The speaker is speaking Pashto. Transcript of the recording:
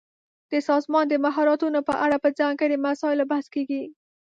د سازمان د مهارتونو په اړه په ځانګړي مسایلو بحث کیږي.